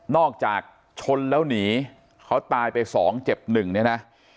นอกจากชนแล้วหนีเขาตายไป๒เจ็บ๑เนี่ยนะ